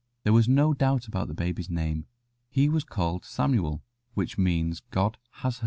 There was no doubt about the baby's name. He was called "Samuel," which means "God has heard."